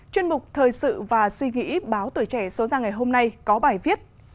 chuyên mục thời sự và suy nghĩ báo tuổi trẻ số ra ngày hôm nay có bài viết